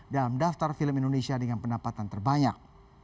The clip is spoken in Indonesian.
dalam daftar film indonesia dengan pendapatan terbanyak